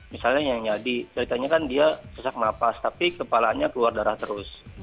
misalnya yang jadi ceritanya kan dia sesak napas tapi kepalanya keluar darah terus